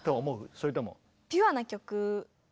それとも。